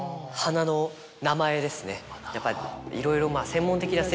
やっぱりいろいろ。